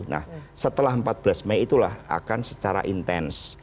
nah setelah empat belas mei itulah akan secara intens